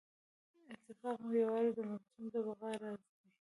اتفاق او یووالی د ملتونو د بقا راز دی.